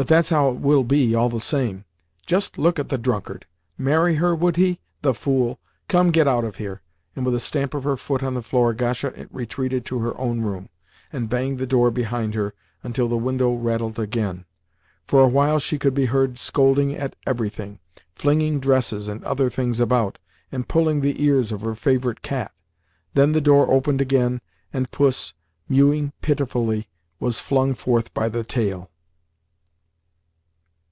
But that's how it will be, all the same. Just look at the drunkard! Marry her, would he? The fool! Come, get out of here!" and, with a stamp of her foot on the floor, Gasha retreated to her own room, and banged the door behind her until the window rattled again. For a while she could be heard scolding at everything, flinging dresses and other things about, and pulling the ears of her favourite cat. Then the door opened again, and puss, mewing pitifully, was flung forth by the tail.